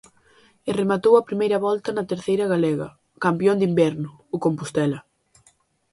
E rematou a primeira volta na Terceira galega; campión de inverno, o Compostela.